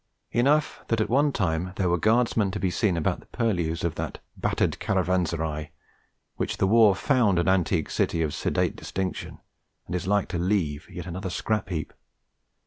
Enough that at one time there were Guardsmen to be seen about the purlieus of that 'battered caravanserai' which the war found an antique city of sedate distinction, and is like to leave yet another scrap heap.